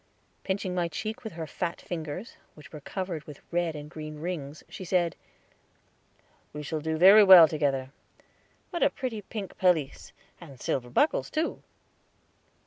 Pinching my cheek with her fat fingers, which were covered with red and green rings, she said, "We shall do very well together. What a pretty silk pelisse, and silver buckles, too."